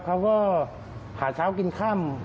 เขาก็หาเช้ากินค่ำ